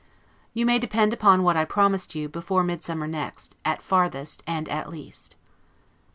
You may depend upon what I promised you, before midsummer next, at farthest, and AT LEAST.